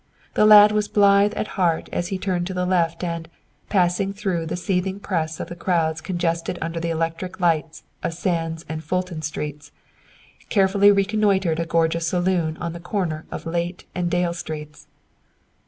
The lad was blithe at heart as he turned to the left and, passing through the seething press of the crowds congested under the electric lights of Sands and Fulton Streets, carefully reconnoitered a gorgeous saloon on the corner of Layte and Dale Streets.